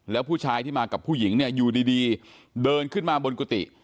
แล้วผู้ชายที่มากับผู้หญิงเนี่ยอยู่ดีเดินขึ้นมาบนกุฏิ